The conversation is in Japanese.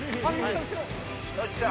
よっしゃ！